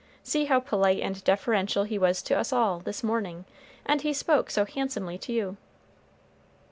See how polite and deferential he was to us all, this morning; and he spoke so handsomely to you."